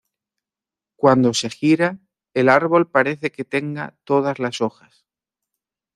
Cuando se gira, el árbol parece que tenga todas las hojas.